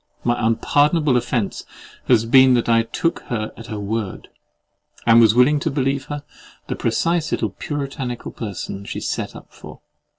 My unpardonable offence has been that I took her at her word, and was willing to believe her the precise little puritanical person she set up for.